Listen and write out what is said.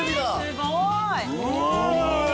すごい。